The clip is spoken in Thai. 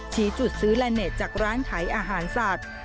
ชี้จุดซื้อแลนดเน็ตจากร้านขายอาหารสัตว์